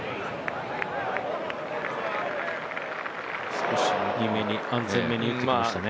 少し右めに、安全めに打ってきましたね。